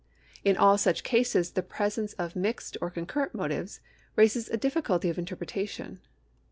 In all such cases the presence of mixed or concurrent motives raises a difficulty of interpretation.